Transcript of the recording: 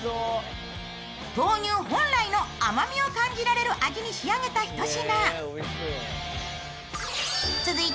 豆乳本来の甘みを感じられる味に仕上げたひと品。